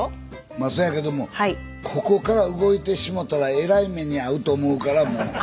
まあそうやけどもここから動いてしもたらえらい目に遭うと思うからもう。